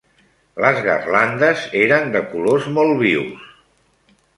Les garlandes eren de colors molt vius.